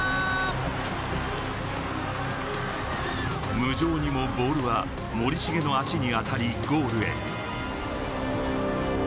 無情にもボールは森重の足に当たりゴールへ。